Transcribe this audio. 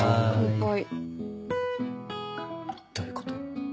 どういうこと？